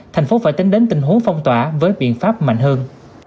thành phố phải tính đến tình huống phong tỏa với biện pháp mạnh hơn